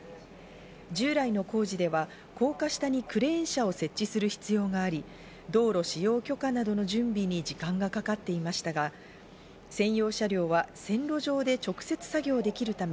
従来の工事では高架下にクレーン車を設定する必要があり、道路使用許可などの準備に時間がかかっていましたが、専用車両は線路上で直接作業できるため、